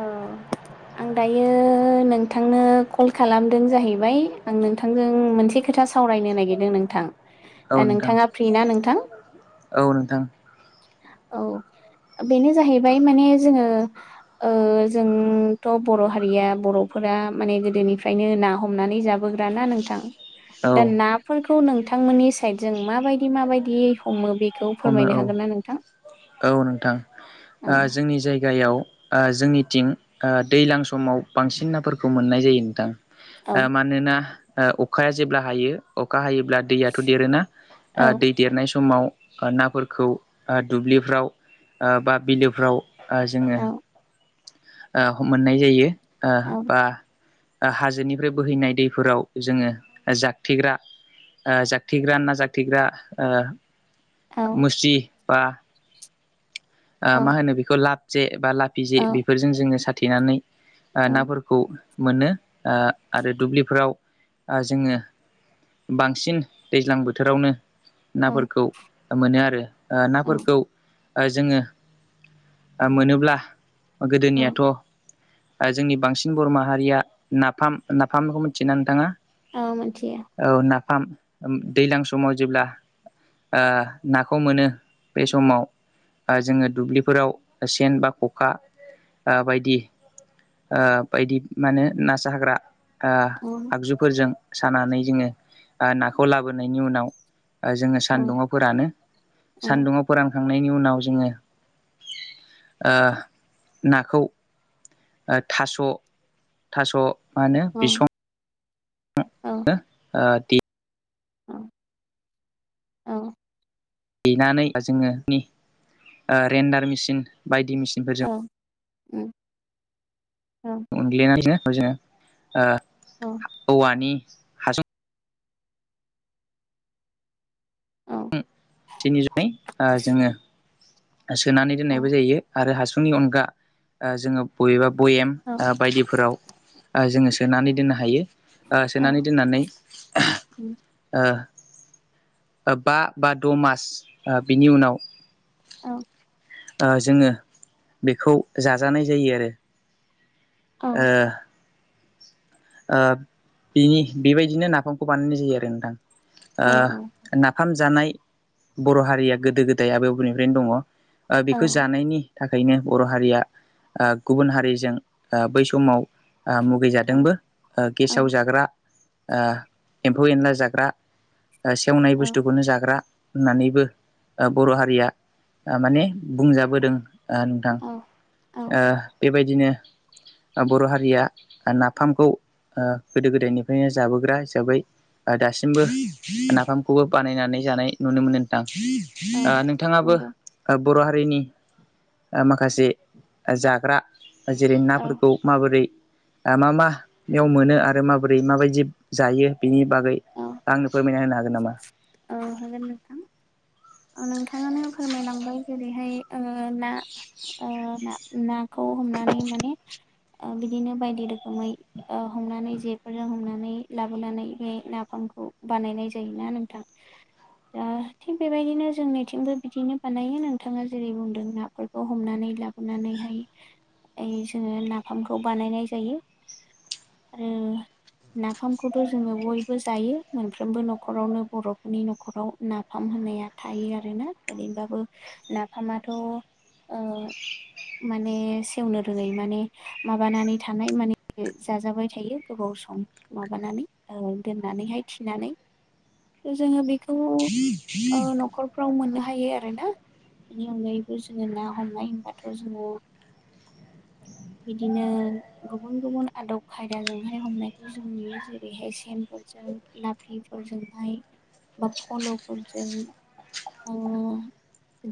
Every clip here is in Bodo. औ आं दायो नोंथांनो कल खालामदों जाहैबाय आं नोंथांजों मोनसे खो खोथा सावरायनो नागिरदों नोंथां। औ दा नोंथां नोंथांङा फ्रि ना नोंथां? औ नोंथां औ बेनो जाहैबाय माने जोंङो ओ जोंथ' बर' हारिया बर'फोरा माने गोदोनिफ्रायनो ना हमनानै जाबोग्राना नोंथां औ दा नाफोरखौ नोंथांमोननि साइडजों माबायदि माबायदि हमो बे हमो औ औ नोंथां औ ओ जोंनि जायगायाव ओ जोंनिथिं दैज्लां समाव बांसिन नाफोरखौ मोननाय जायो नोंथां। औ ओ मानोना ओ अखाया जेब्ला हायो अखा हायो। अब्ला दैयाथ' देरोना ओ औ दै देरनाय समाव ओ नाफोरखौ ओ दुब्लिफ्राव ओ बा बिलोफ्राव ओ जोंङो औ ओ मोननाय जायो ओ औ बा ओ हाजोनिफ्राय बोहैनाय दैफोराव जोंङो जागथेग्रा ओ जागथेग्रा ना जागथेग्रा ओ औ मुस्रि बा ओ मा औ होनो बेखौ लाब जे बा लाफिजे बेफोरजों जोंङो साथेनानै ओ औ नाफोरखौ मोनो ओ आरो दुब्लिफोराव ओ जोंङो बांसिन दैज्लां बोथोरावनो नाफोरखौ मोनो आरो औ नाफोरखौ ओ जोङो ओ मोनोब्ला औ गोदोनियाथ' जोंनि बांसिन बर' माहारिया नाफाम नाफामखौ मिथियोना नोंथाङा औ मिथियो फाम दैज्लां समाव जेब्ला ओ नाखौ मोनो बे समाव ओ जोङो दुब्लिफोराव सेन बा ख'खा ओ बायदि ओ बायदि मा होनो ना साग्रा ओ औ आगजुफोरजों सानानै जोङो नाखौ लाबोनायनि उनाव जोङो औ सान्दुङाव फोरानो ओ औ सान्दुङाव फोरान थांनायनि उनाव जोङो ओ नाखौ ओ थास' थास' मा होनो बिसं औ नो ओ दि औ औ देनानै जोङो नि ओ रेन्डार मेसिन बायदि मेसिनफोरजों औ उम ओं उनग्लिनानै जोङो ओ औवानि हासुं औ [unintelligible] जोङो सोनानै औ दोननायबो जायो आरो हासुंनि अनगा जोङो बबेबा भयेम औ उम औ बायदिफोराव ओ जोङो सोनानै दोननो हायो ओ सोनानै दोननानै बा बा द' मास ओ बिनि उनाव औ ओ जोङो बेखौ जाजानाय जायो आरो ओ ओ बिनि बेबायदिनो नाफामखौ बानायनाय जायो आरो नोंथां ओ ना फाम जानाय बर' हारिया गोदो गोदाय आबै आबौनिफ्रायनो दङ औ बेखौ जानायनि थाखायनो बर' हारिया ओ गुबुन हारिजों ओ बै समाव आ मुगैजादोंबो ओ गेसाव जाग्रा ओ एम्फौ एनला जाग्रा ओ सेवनाय बुस्थुखौनो जाग्रा होननानैबो बर' हारिया माने बुंजाबोदों ओ नोंथां औ ओ बेबाय दिनो बर' हारिया नाफामखौ ओ गोदो गोदायनिफ्रायनो जाबोग्रा हिसाबै दासिमबो नाफामखौबो बानायनानै जानाय नुनो मोनो नोंथां औ ओ नोंथाङाबो नंगौ बर' हारिनि माखासे जाग्रा जेरै औ नाफोरखौ माबोरै मा मा बेयाव मोनो आरो माबोरै माबायदि जायो बेनि बागै औ आं औ हागोन नोंथां नोंथाङानो फोरमायलांबाय जेरैहाय ओ ना ओ ना नाखौ हमनानै माने बिदिनो बायदि रोखोमै हमनानै जेफोरजों हमनानै लाबोनानै बे नाफाम बानायनाय जायोना नोंथां दा थिग बेबायदिनो जोंनिथिंबो बिदिनो बानायो नोंथाङा जेरै बुंदों नाफोरखौ हमनानै लाबोनानैहाय जोङो नाफामखौ बानायनाय जायो आरो नाफामखौथ' जोङो बयबो जायो मोनफ्रोमबो न' न'खरावनो बर'फोरनि न'खराव नाफाम होननाया थायो आरोना ओरैनोबाबो नाफामा थ' ओ माने सेवनो रोङै माने माबानानै थानाय माने जाजाबाय थायो गोबाव। स माबानानै दोननानैहाय थिनानै। जोङो बेखौ न'खरफ्राव मोननो हायो आरोना बेनि अनगायैबो जोङो ना हमनाय हबाथ' जोङो। बिदिनो गुबुन गुबुन आदब खायदाजोंहाय हमनायखौ जों नुयो जेरैहाय सेेनफोर। लाफिफोरजोंहाय बा फल'फोरजों। औ।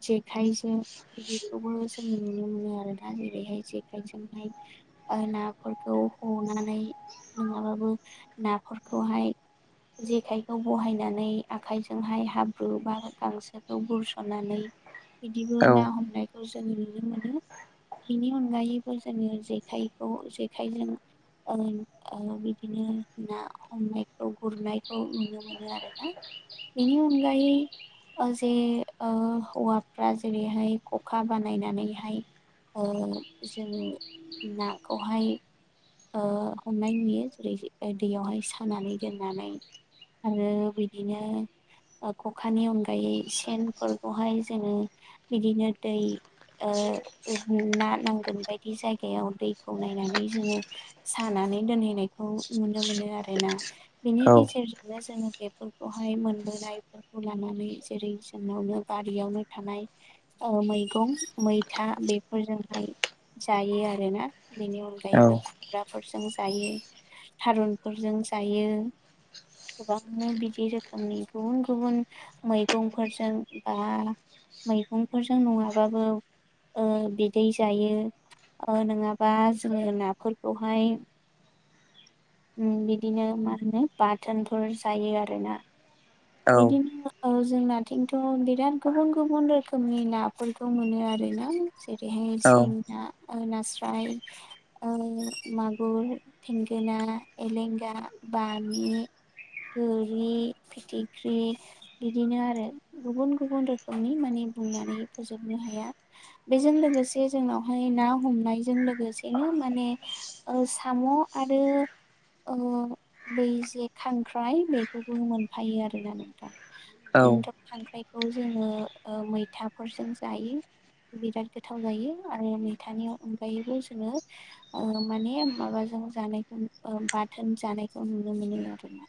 जेखाइजों बिदिखौबो जों नुनो मोनो आरोोना जेरैहाय जेखाइजोंहाय। नाफोरखौ हमनानै। नङाबाबो नाफोरखौहाय जेखाय। खौ बहायनानै आखायजोंहाय हाब्रु बा गांसोखौ बुरसननानै। बिदिबो औ ना हमनायखौ जों नुनो मोनो। बिनि अनगायैबो जोङो जेखायखौ जेखाइजों बिदिनो ना हमनायखौ गुरनायखौ नुनो। मोनो आरोोना बेनि अनगायै। जे हौवाफ्रा जेरैहाय खखा बानायनानैहाय। जों नाखौहाय हमनाय नुयो जेरै दैयावहाय सानानै दोननानै। आरो बिदिनो खखानि अनगायै सेनफोरखौहाय जोङो बिदिनो दै ांगोन ब जनाय जोङानानै द मनायनायखौ नुनो मोनो आरोोना बेनि औ गेजेरजों। नो जोङो बेफोरखौहाय मोनबोनायफोरखौ लानानै जेरै जोंनावनो बारियावनो थानाय। मैगं मैथा बेफोरजोंहाय जायो आरोना। बेनि औ अनगायैबो खुग्राफोरजों। ज थारुनफोरजों जायो। गोबांनो बिदि रोखोमनि गुबुन गुबुन मैगंफोरजों बा मैगंफोरजों नङाबाबो। ओ बिदै जायो ओ नङाबा जोङो नाफोरखौहाय उम बिदिनो मा होनो बाथोनफोर जायो आरोना। औ बिदिनो [unintelligible] जोंनाथिंथ' बिराद गुबुन गुबुन रोखोमनि नाफोरखौ मोनो आरोना। जेरैहाय औ सेंग्रा ना ना से फ्राय मागुर थेंगोना एलेंगा बामि गोरि फिथि ख्रि बिदिनो आरो गुबुन गुबुन रोखोमनि माने बुंनानै फोजोबनो हाया। [unintelligible] आरो बै जे खांख्राइ बेखौबो मोनफायो आरो। औ [unintelligible] खौ जोङो ओ मैथाफोरजों जायो। बिराद गोथाव जायो आरो मैथानि अनगायैबो जोङो माने माबा। जानायखौ बाथोन जानायखौ नुनो मोनो आरो ना?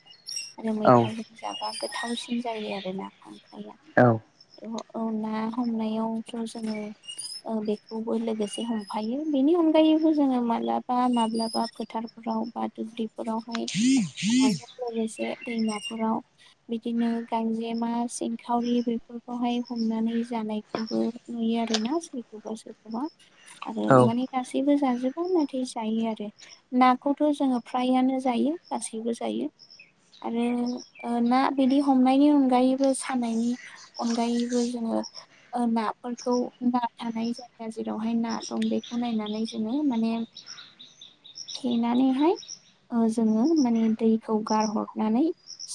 आरो औ मैथाजों जाबा गोथावसिन जायो आरो ना खांख्राइया औ। ना हमनायावथ' जोङो बेखौबो लोगोसे हमफायो बेनि अन गायैबो जोङो माब्लाबा माब्लाबा फोथारफोराव बा दुब्लिफोरावहाय। लोगोसे दैमाफोराव बिदिनो गांजे मा सिंखावरि बेफोरखौहाय हमनानै जानायखौबो। नुयो आरोना सोरखौबा सोरखौबा आरो माने गासैबो जा जोबा नाथाय जायो आरो नाखौथ' जोङो फ्रायानो जायो गासैबो जायो। आरो ओ ना बिदि हमनायनि अनगायैबो सानायनि अनगायैबो जोङो ना नाफोरखौ ना थानाय जायगा जेरावहाय ना दं बेखौ नायनानै जोङो माने [unintelligible] थेनानैहाय ओ जोङो माने दैखौ गारहरनानै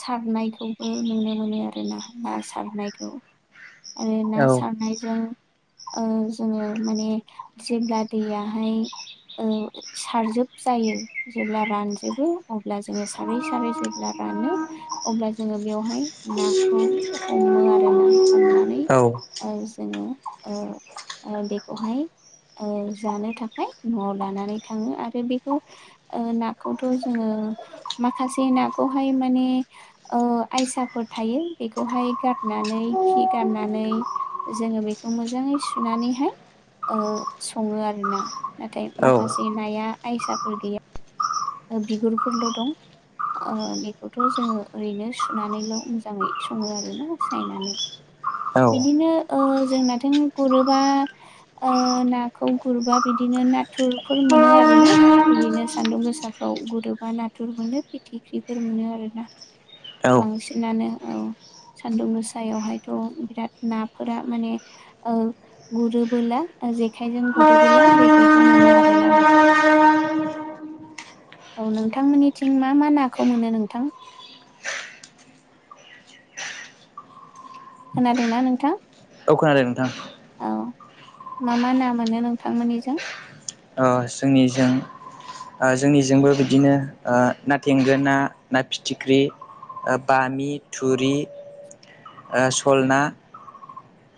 सारनायखौबो नुनो मोनो आरोना ना सारनायखौ आरो ना औ सारनायजों ओ जोङो माने जेब्ला दैयाहाय ओ सारजोब जायो जेब्ला रानजोबो अब्ला जोङो सारै सारै जेब्ला रानो। अब्ला जोङो बेवहाय नाखौ हमो आरो ना हमनानै जोङो ओ ओ बेखौहाय ओ जानो थाखाय न'आव लानानै थाङो आरो बेखौ नाखौथ' जोङो माखासे नाखौहाय माने ओ आयसाफोर थायो बेखौहाय गारनानै खि गारनानै जोङो बेखौ मोजाङै सुनानैहाय ओ सङो आरोना नाथाय माखासे नाया आयसाफोर गैया। बिगुरफोरल' दं ओ बेखौथ' जोङो ओरैनो सुनानैल' मोजाङै सङो आरोना सायनानै औ बिदिनो ओ जोंनाथों गुरोबा नाखौ गुरबा बिदि बिदिनो नाथुरफोर मोनो आरो ना बिदिनो सान्दुं गोसा फाव गुरोबा नाथुर मोनो फिथिख्रिफोर मोनो आरोना औ बांसिनानो औ सान्दुं गोसायावहायथ' बिराद नाफोरा माने ओ गुरोबोला जेखायजों गुदोबोला बेफोरखौ मोनो आरोना नोंथां। औ नोंथांमोननिथिं मा मा नाखौ मोनो नोंथां। खोनादोंना नोंथां? औ खोनादों नोंथां। औ मा मा ना मोनो? नोंथांमोननिजों जोंनिजों जोंनिजोंबो बिदिनो ना थेंगोन ना, ना फिथिख्रि, बामि, थुरि, सल ना,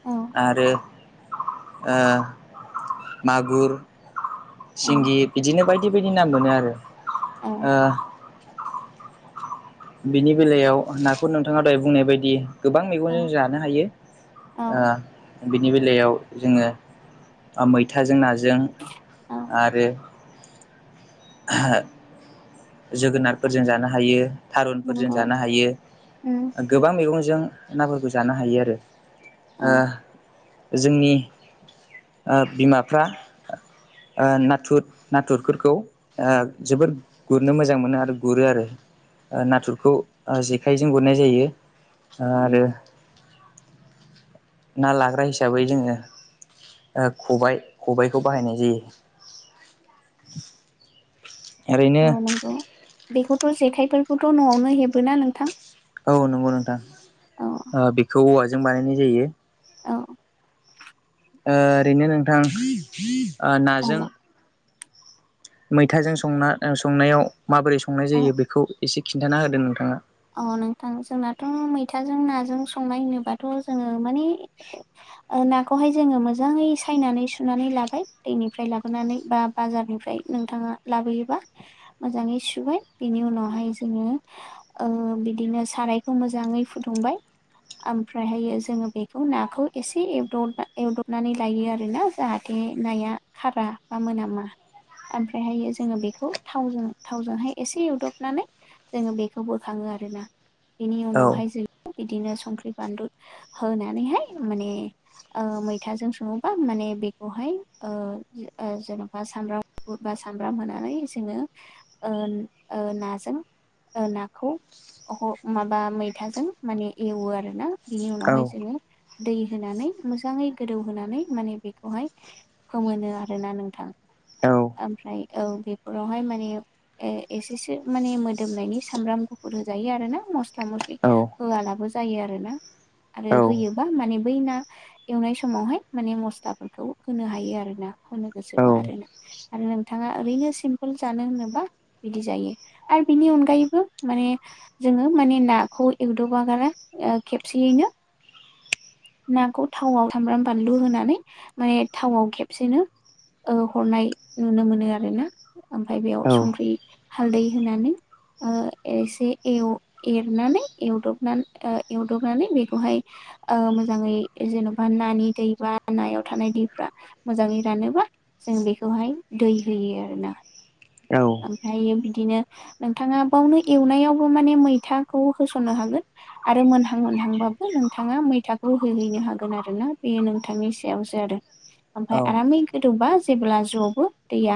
औ आरो ओ मागुर औ सिंगि बिदिनो बायदि बायदि ना मोनो आरो औ ओ बिनि बेलायाव नाखौ नोंथाङा दहाय बुंनाय बायदि गोबां मैगंजों औ जानो हायो। औ बिनि बेलायाव जोङो मैथाजों नाजों औ आरो जोगोनारफोरजों जानो हायो। थारुनफोरजों नंगौ जानो हायो उम गोबां मैगंजों नाफोरखौ जानो हायो आरो औ जोंनि बिमाफ्रा नाथुर नाथुरफोरखौ जोबोर गुरनो मोजां मोनो आरो गुरो आरो ओ नाथुरखौ ओ जेखाइजों गुरनाय जायो ओ उम आरो ना लाग्रा हिसाबै जोङो खबाय खबायखौ बाहायनाय जायो। [inaudible] औ नंगौ बेखौथ' जेखाइफोरखौथ' न'आवनो हेबोना नोंथां। औ नंगौ औ नोंथां बेखौ औवाजों बानायनाय जायो। औ ओरैनो नोंथां नाजों औ मैथाजों संना संनायाव माबोरै संनाय जायो बेखौ एसे खिन्थाना होदों नोंथाङा। अ नोंथां जोंनाथ' मैथाजों नाजों संनाय होनोबाथ' जोङो माने नाखौहाय जोङो मोजाङै सायनानै सुनानै लाबाय दैनिफ्राय लाबोनानै बा बाजारनिफ्राय ओमफ्राय नोंथाङा लाबोयोबा मोजाङै सुबाय बेनि उनावहाय जोङो ओ बिदिनो सारायखौ मोजाङै फुदुंबाय ओमफ्रायहायो जोङो बेखौ नाखौ एसे एदब एवदबनानै लायो आरोना जाहाथे बे नाया खारा बा मोनामा ओमफ्रायहायो जोङो बेखौ थावजों थावजोंहाय एसे एवदबनानै जोङो बेखौ बेखौ बोखाङो आरोना बेनि औ उनावहाय जोंङो बिदिनो संख्रि बानलु होनानैहाय माने ओ मैथाजों सङोबा माने बेखौहाय ओ ओ जेन'बा सामब्राम गुफुरबा सामब्राम होनानै जोङो ओ ओ नाजों ओ नाखौ अह माबा मैथाजों माने एवो आरो ना बिनि उनावहाय औ जोङो दै होनानै मोजाङै गोदौ होनोनानै माने बेखौहाय फोमोनो आरोना नोंथां औ ओमफ्राय औ बेफोरावहाय माने ए- एसेसो माने मोदोमनायनि सामब्राम गुफुर होजायो आरो ना मस्ला मस्लि औ होआलाबो जायो आरो ना आरो होयोबा माने बै ना एवनाय समावहाय माने मस्लाफोरखौ होनो हायो आरो ना। होनो गोसोबा आरोना आरो नोंथाङा ओरैनो सिम्पोल जानो होनोब्ला बिदि जायो। बिनि अनगायै माने जोङो माने नाखौ एवदबागारा ओ खेबसेयैनो नाखौ थावआव सामब्राम बानलु होनानै माने थावआव खेबसेनो औ हरनाय नुनो मोनो आरो ना। ओमफ्राय बेयाव संख्रि हालदै होनानै ओ एसे एव-एरनानै एवदबनानै ओ एवदबनानै बेखौहाय आ मोन मोजाङै जेन'बा नानि दै बा नायाव थानाय दैफ्रा मोजाङै रानोबा जों बेखौ बेहाय दै होयो आरोना औ ओमफ्रायो बिदिनो नोंथाङा बेावनो एवनायावबो माने मैथाखौ होसननो हागोन। आरो मोनहां मोनहांबाबो नोंथाङा मैथाखौ होहैनो हागोन आरोना बेयो नोंथांनि सायावसो आरो ओमफ्राय औ आरामै गोदौबा जेब्ला जबो दैया